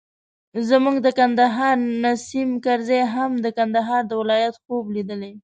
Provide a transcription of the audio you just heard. زموږ د کندهار نیسم کرزي هم د کندهار د ولایت خوب لیدلی.